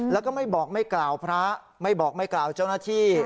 แล้วก็ไม่บอกไม่กล่าวพระไม่บอกไม่กล่าวเจ้าหน้าที่